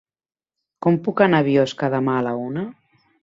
Com puc anar a Biosca demà a la una?